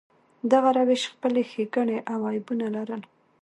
دغه روش خپلې ښېګڼې او عیبونه لرل.